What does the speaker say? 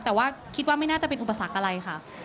แต่ว่าคิดว่าไม่น่าจะเป็นอุปสรรคอะไรค่ะ